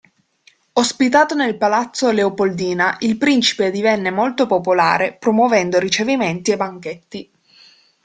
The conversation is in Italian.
Ospitato nel Palazzo Leopoldina, il principe divenne molto popolare, promuovendo ricevimenti e banchetti.